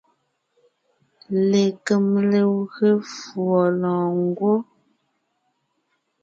Lekem legwé fùɔ lɔ̀ɔngwɔ́.